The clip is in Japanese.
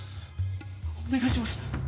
お願いします。